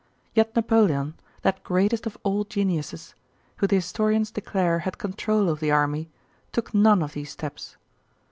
Yet Napoleon, that greatest of all geniuses, who the historians declare had control of the army, took none of these steps.